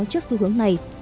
trước xu hướng này